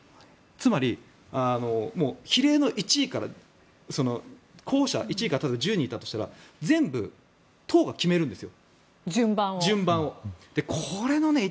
つまり、比例の１位から候補者１位から１０人いたとしたら全部、党が決めるんです。